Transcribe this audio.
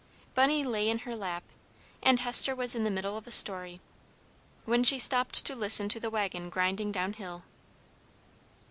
Bunny lay in her lap, and Hester was in the middle of a story, when she stopped to listen to the wagon grinding down hill.